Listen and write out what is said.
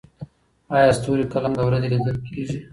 ایا ستوري کله هم د ورځې لیدل کیږي؟